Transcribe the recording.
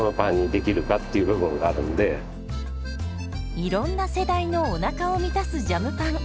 いろんな世代のおなかを満たすジャムパン。